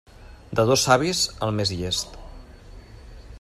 De dos savis, el més llest.